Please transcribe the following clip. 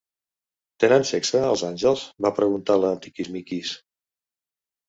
Tenen sexe, els àngels? —va preguntar la Tiquismiquis.